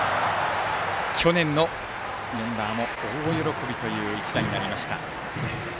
去年のメンバーも大喜びの一打になりました。